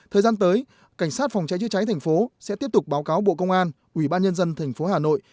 thời gian tới cảnh sát phòng cháy chứa cháy thành phố sẽ tiếp tục báo cáo bộ công an ubnd tp hà nội